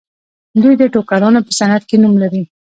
دوی د ټوکرانو په صنعت کې نوم لري.